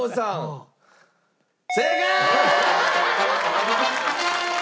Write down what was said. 正解！